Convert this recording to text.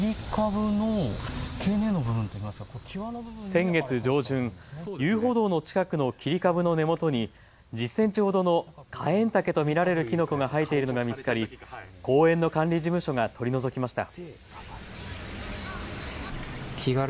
先月上旬、遊歩道の近くの切り株の根元に１０センチほどのカエンタケと見られるきのこが生えているのが見つかり公園の管理事務所が取り除きました。